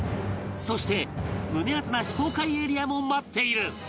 そして胸アツな非公開エリアも待っている